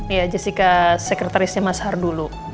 iya jessica sekretarisnya mas har dulu